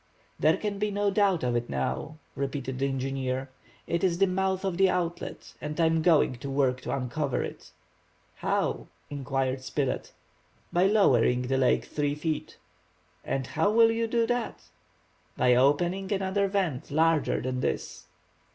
"There can be no doubt of it now," repeated the engineer. "It is the mouth of the outlet, and I am going to work to uncover it. "How?" inquired Spilett. "By lowering the lake three feet." "And how will you do that?" "By opening another vent larger than this."